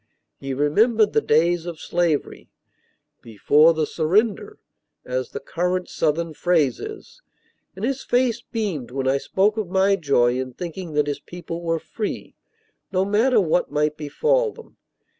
He remembered the days of slavery, "before the surrender," as the current Southern phrase is, and his face beamed when I spoke of my joy in thinking that his people were free, no matter what might befall them.